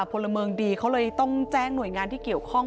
พลเมืองดีเขาเลยต้องแจ้งหน่วยงานที่เกี่ยวข้อง